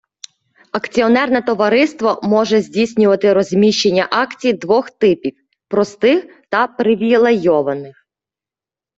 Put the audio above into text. Акціонерне товариство може здійснювати розміщення акцій двох типів - простих та привілейованих.